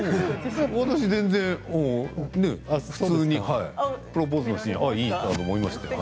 私、全然、普通にプロポーズのシーンいいなと思いましたよ。